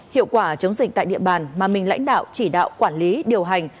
hiệu quả chống dịch tại địa bàn mà mình lãnh đạo chỉ đạo quản lý điều hành